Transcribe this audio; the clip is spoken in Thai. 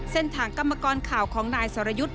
เส้นทางกรรมกรข่าวของนายสรยุทธิ์